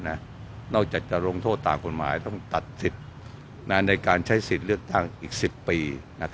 นอกจากจะลงโทษตามกฎหมายต้องตัดสิทธิ์ในการใช้สิทธิ์เลือกตั้งอีก๑๐ปี